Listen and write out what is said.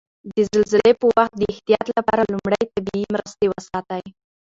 د زلزلې په وخت د احتیاط لپاره لومړي طبي مرستې وساتئ.